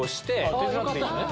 手伝っていいのね。